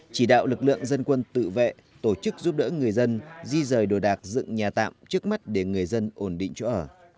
chỉ đạo lực lượng dân quân tự vệ tổ chức giúp đỡ người dân di rời đồ đạc dựng nhà tạm trước mắt để người dân ổn định chỗ ở